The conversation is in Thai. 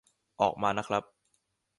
ออกมานะครับ